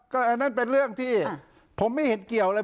อันนั้นเป็นเรื่องที่ผมไม่เห็นเกี่ยวเลย